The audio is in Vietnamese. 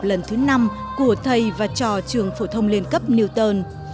lần thứ năm của thầy và trò trường phổ thông liên cấp newton